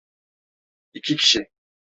İki kişi.